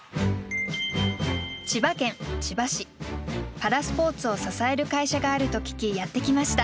パラスポーツを支える会社があると聞きやって来ました。